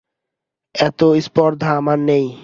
এত স্পর্ধা আমার নেই।